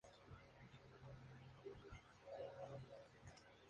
De la parte superior del molino sobresalía un eje horizontal.